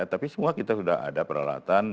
tapi semua kita sudah ada peralatan